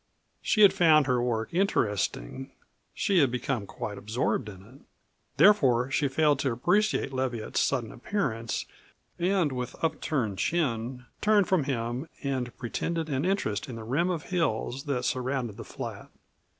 She had found her work interesting; she had become quite absorbed in it. Therefore she failed to appreciate Leviatt's sudden appearance, and with uptilted chin turned from him and pretended an interest in the rim of hills that surrounded the flat.